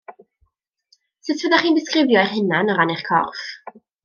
Sut fyddech chi'n disgrifio eich hunan o ran eich corff?